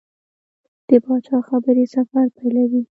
د پاچا خبرې سفر پیلوي.